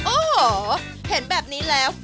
โอ้โหเห็นแบบนี้แล้ว